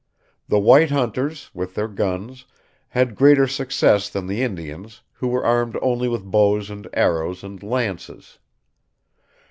The white hunters, with their guns, had greater success than the Indians, who were armed only with bows and arrows and lances.